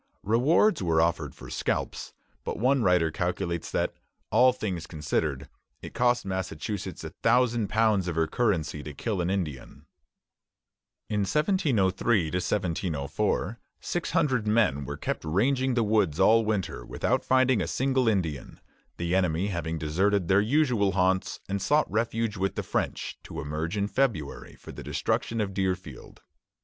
Rewards were offered for scalps; but one writer calculates that, all things considered, it cost Massachusetts a thousand pounds of her currency to kill an Indian. In 1703 1704 six hundred men were kept ranging the woods all winter without finding a single Indian, the enemy having deserted their usual haunts and sought refuge with the French, to emerge in February for the destruction of Deerfield.